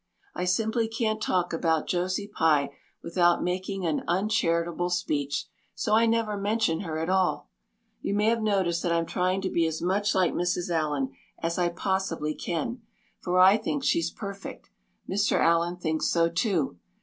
I simply can't talk about Josie Pye without making an uncharitable speech, so I never mention her at all. You may have noticed that. I'm trying to be as much like Mrs. Allan as I possibly can, for I think she's perfect. Mr. Allan thinks so too.